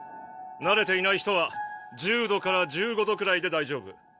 慣れていない人は１０度から１５度くらいで大丈夫。